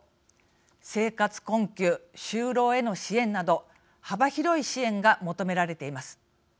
生活困窮就労への支援など幅広い支援が求められています。